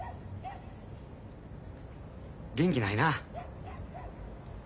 元気ないなあ。